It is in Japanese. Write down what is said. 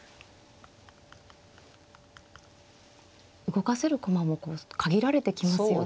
動かせる駒も限られてきますよね。